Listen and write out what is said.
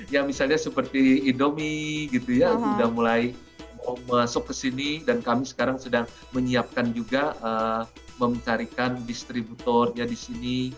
ya misalnya seperti indomie gitu ya sudah mulai mau masuk ke sini dan kami sekarang sedang menyiapkan juga mencarikan distributornya di sini